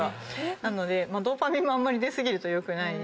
なのでドーパミンもあんまり出過ぎると良くないし。